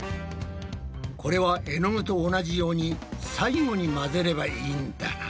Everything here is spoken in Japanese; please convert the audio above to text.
これは絵の具と同じように最後に混ぜればいいんだな。